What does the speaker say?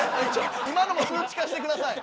今のも数値化して下さい。